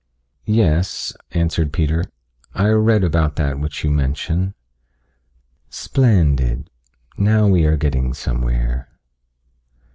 "Yes," answered Peter. "I read about that which you mention." "Splendid, now we are getting somewhere.